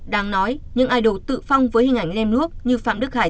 đáng nói những idol tự phong với hình ảnh lem luốc như phạm đức khải